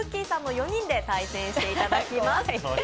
さんの４人で対戦していただきます。